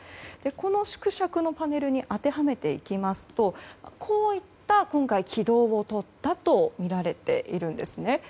この縮尺のパネルに当てはめていきますとこういった軌道をとったとみられているんですね。